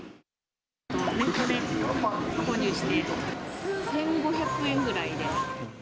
インターネットで購入して、１５００円ぐらいで。